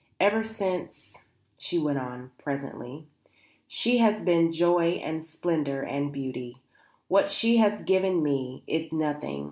"Ever since," she went on presently, "she has been joy and splendour and beauty. What she has given me is nothing.